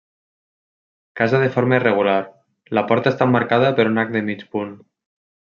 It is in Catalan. Casa de forma irregular, la porta està emmarcada per un arc de mig punt.